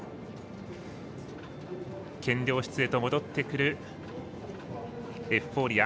検量室へと戻ってくるエフフォーリア。